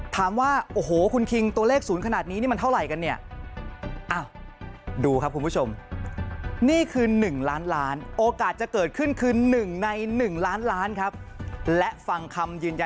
ถามว่าโอ้โหคุณคิงตัวเลข๐ขนาดนี้นี่มันเท่าไหร่กันเนี่ย